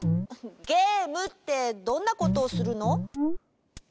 ゲームってどんなことをするの？